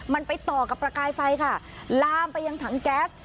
มันไปต่อกับประกายไฟค่ะลามไปยังถังแก๊ส